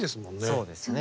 そうですね。